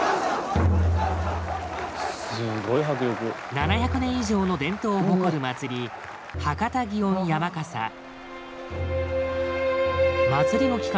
７００年以上の伝統を誇る祭り祭りの期間